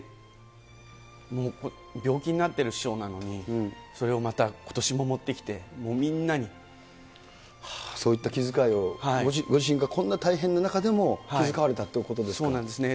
もう病気になってる師匠なのに、それをまたことしも持ってきて、そういった気遣いを、ご自身がこんな大変な中でも、そうなんですね。